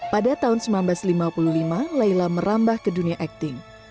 pada tahun seribu sembilan ratus lima puluh lima layla merambah ke dunia acting